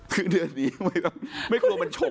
คือเดือนนี้ไม่คมันชบ